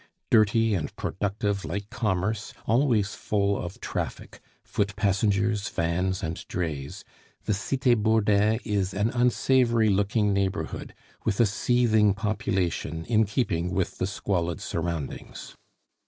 Dirty and productive like commerce, always full of traffic foot passengers, vans, and drays the Cite Bourdin is an unsavory looking neighborhood, with a seething population in keeping with the squalid surroundings.